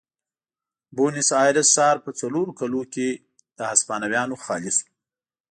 بونیس ایرس ښار په څلورو کلونو کې له هسپانویانو خالي شو.